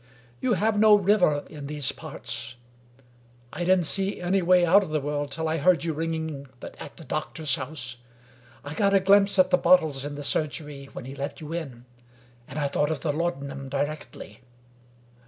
You have no river in these parts. I didn't see my way out of the world, till I heard you ringing at the doc tor's house. I got a glimpse at the bottles in the surgery, when he let you in, and I thought of the laudanum di rectly.